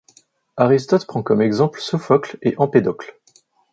Aristote prend comme exemple Sophocle et Empédocle.